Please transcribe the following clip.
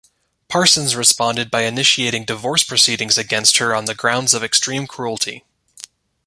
Parsons responded by initiating divorce proceedings against her on the grounds of "extreme cruelty".